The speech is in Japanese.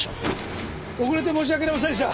遅れて申し訳ありませんでした！